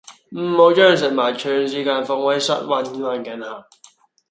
唔好將食物長時間放喺室溫環境下